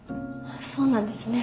そうなんですね。